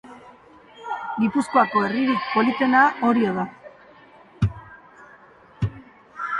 Gipuzkoako herririk politena Orio da.